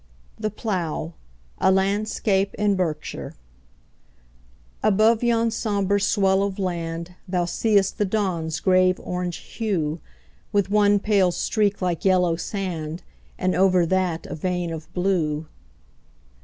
The Plough A LANDSCAPE IN BERKSHIRE ABOVE yon sombre swell of land Thou see'st the dawn's grave orange hue, With one pale streak like yellow sand, And over that a vein of blue.